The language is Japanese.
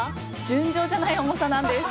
尋常じゃない重さなんです！